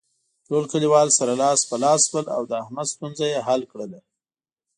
ټول کلیوال سره لاس په لاس شول او د احمد ستونزه یې حل کړله.